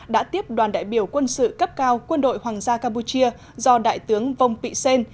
đã tiếp đoàn đại biểu quân sự cấp cao quân đội hoàng gia campuchia do đại tướng vông pị xên